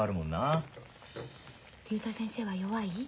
竜太先生は弱い？